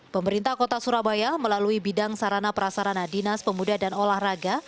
pemerintah kota surabaya melalui bidang sarana prasarana dinas pemuda dan olahraga